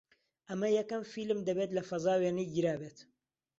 ئەمە یەکەم فیلم دەبێت لە فەزا وێنەی گیرابێت